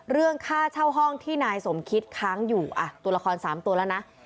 เรื่องค่าเช่าห้องที่นายสมคิดค้างอยู่ตัวละคร๓ตัวแล้วนะ